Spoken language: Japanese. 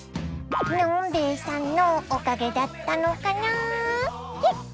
のんべえさんのおかげだったのかな？